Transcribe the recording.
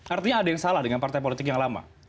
artinya ada yang salah dengan partai politik yang lama